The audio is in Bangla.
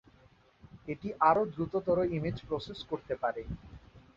এটি আরো দ্রুততর ইমেজ প্রসেস করতে পারে।